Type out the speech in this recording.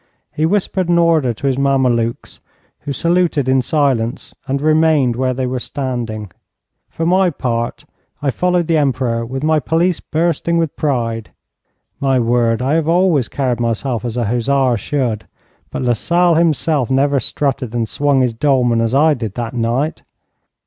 He whispered an order to his Mamelukes, who saluted in silence and remained where they were standing. For my part, I followed the Emperor with my pelisse bursting with pride. My word, I have always carried myself as a hussar should, but Lasalle himself never strutted and swung his dolman as I did that night.